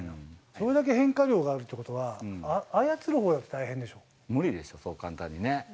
それだけ変化量があるということ無理ですよ、そう簡単にね。